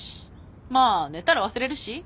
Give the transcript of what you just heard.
まあ寝たら忘れるし。